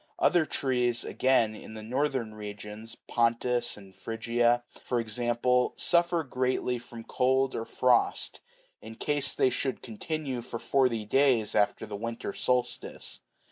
Other trees, again, in the northern regions, Pontus and Phrygia, for example, suffer greatly from cold or frost, in case they should continue for forty days after the winter solstice.